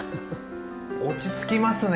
落ち着きますね。